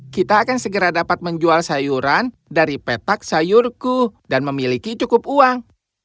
kita akan segera dapat menjual sayuran dari petak sayurku dan memiliki cukup uang